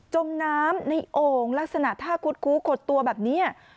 จมน้ำในโอ่งลักษณะท่าคุดคู้ขดตัวแบบนี้